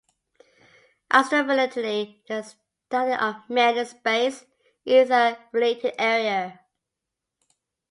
Astrophilately, the study of mail in space, is a related area.